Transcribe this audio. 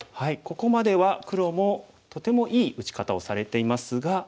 ここまでは黒もとてもいい打ち方をされていますが。